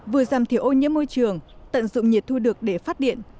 vừa giảm thiểu ô nhiễm môi trường tận dụng nhiệt thu được để phát điện